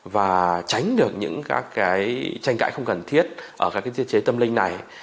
và tránh được những tranh cãi không cần thiết ở các thiết chế tâm linh này